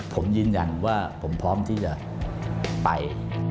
ผมยืนยันว่าผมพร้อมที่จะไป